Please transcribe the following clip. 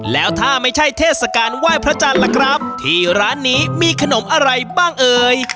แล้วถ้าไม่ใช่เทศกาลไหว้พระจันทร์ล่ะครับที่ร้านนี้มีขนมอะไรบ้างเอ่ย